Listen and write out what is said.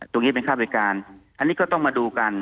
ตรงนี้เป็นค่าบริการอันนี้ก็ต้องมาดูกัน